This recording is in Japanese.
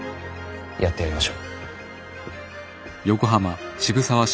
やってやりましょう。